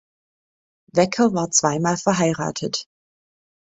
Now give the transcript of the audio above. Wecker war zweimal verheiratet.